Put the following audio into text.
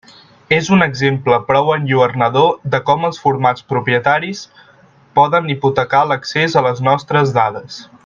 És un exemple prou enlluernador de com els formats propietaris poden hipotecar l'accés a les nostres dades.